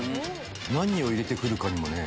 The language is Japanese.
何を入れて来るかにもね。